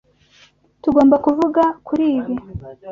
Tugomba kuvuga kuri ibi?